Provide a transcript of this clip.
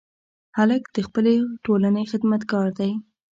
هلک د خپلې ټولنې خدمتګار دی.